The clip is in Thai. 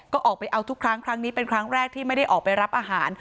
ก็ออกไปเอาทุกครั้งครั้งนี้เป็นครั้งแรกที่ไม่ได้ออกไปรับอาหาร